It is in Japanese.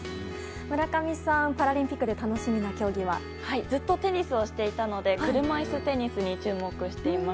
村上さんパラリンピックでずっとテニスをしていたので車いすテニスに注目しています。